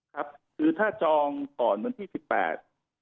ครับคือถ้าจองก่อนวันที่๑๘นะครับ